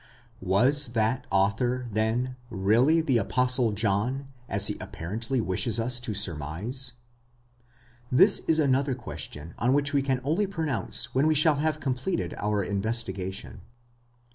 Was that author, then, really the Apostle John, as he apparently wishes us to surmise? This is another question on which we can only pronounce when we shall have completed our investigation.